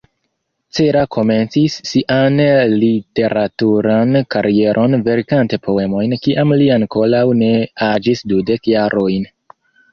Cela komencis sian literaturan karieron verkante poemojn kiam li ankoraŭ ne aĝis dudek jarojn.